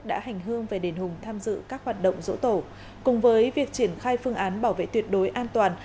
đã hành hương về đền hùng tham dự các hoạt động dỗ tổ cùng với việc triển khai phương án bảo vệ tuyệt đối an toàn